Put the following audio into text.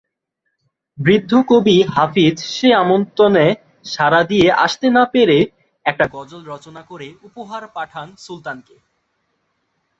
বৃদ্ধ কবি হাফিজ সে আমন্ত্রণে সাড়া দিয়ে আসতে না পেরে একটা গজল রচনা করে উপহার পাঠান সুলতানকে।